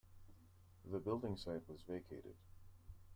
The building site was vacated.